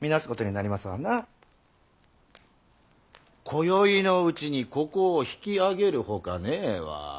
こよいのうちにここを引き揚げるほかねえわ。